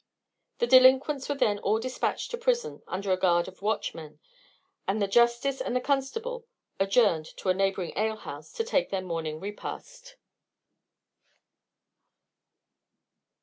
The delinquents were then all dispatched to prison under a guard of watchmen, and the justice and the constable adjourned to a neighbouring alehouse to take their morning repast.